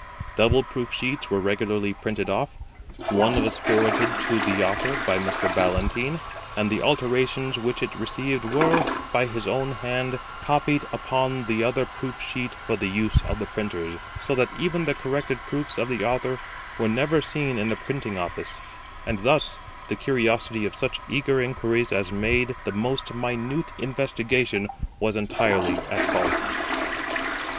Double proof sheets were regularly printed off. One was forwarded to the Author by Mr. Ballantyne, and the alterations which it received were, by his own hand, copied upon the other proof sheet for the use of the printers, so that even the corrected proofs of the Author were never seen in the printing office; and thus the curiosity of such eager inquirers as made the most minute investigation was entirely at fault.